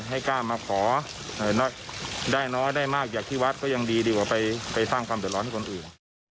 ให้กล้ามาขอได้น้อยได้มากอย่างที่วัดก็ยังดีดีกว่าไปสร้างความเดือดร้อนให้คนอื่น